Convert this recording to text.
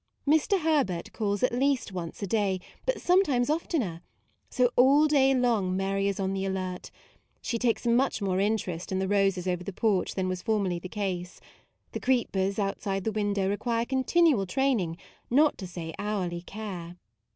Mr. Herbert calls at least once a day, but sometimes oftener; so all day long Mary is on the alert. She takes much more interest in the roses over the porch than was for merly the case; the creepers outside the windows require continual train ing, not to say hourly care.